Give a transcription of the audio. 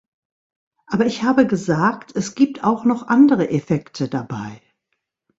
Aber ich habe gesagt, es gibt auch noch andere Effekte dabei.